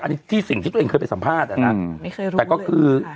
อันนี้สิ่งที่ตัวเองเคยสัมภาษณ์แต่ก็คือ